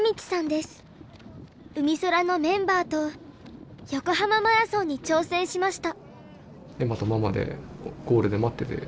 うみそらのメンバーと横浜マラソンに挑戦しました。